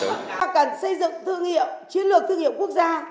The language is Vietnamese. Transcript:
chúng ta cần xây dựng thương hiệu chiến lược thương hiệu quốc gia